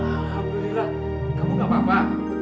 alhamdulillah kamu gak apa apa